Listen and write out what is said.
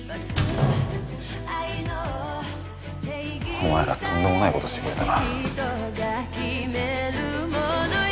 お前らとんでもないことしてくれたな